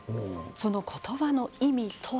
その言葉の意味とは。